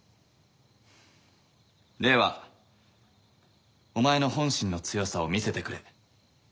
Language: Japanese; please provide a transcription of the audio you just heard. ではお前の本心の強さを見せてくれ。